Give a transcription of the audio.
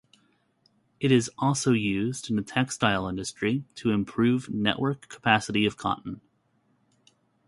It is also used in the textile industry to improve network capacity of cotton.